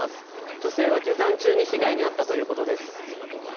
女性は下山中に被害に遭ったということです。